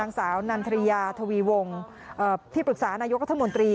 นางสาวนันทริยาทวีวงที่ปรึกษานายกรัฐมนตรี